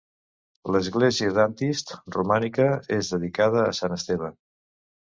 L'església d'Antist, romànica, és dedicada a sant Esteve.